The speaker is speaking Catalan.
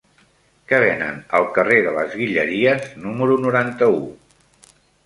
Què venen al carrer de les Guilleries número noranta-u?